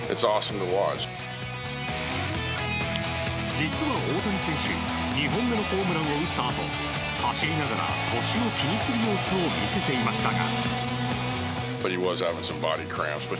実は大谷選手２本目のホームランを打ったあと走りながら腰を気にする様子を見せていましたが。